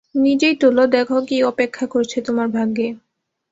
নিজেই তোলো, দেখো, কী অপেক্ষা করছে তোমার ভাগ্যে।